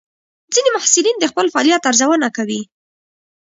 ځینې محصلین د خپل فعالیت ارزونه کوي.